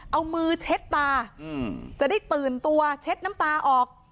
เอามือเช็ดตาจะได้ตื่นตัวเช็ดน้ำตาออก